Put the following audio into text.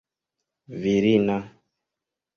virina